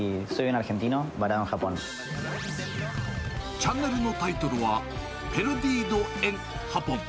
チャンネルのタイトルは、ヘルディード・エン・ハポン。